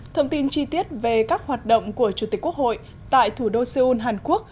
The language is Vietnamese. thông tin chi tiết về các hoạt động của chủ tịch quốc hội tại thủ đô seoul hàn quốc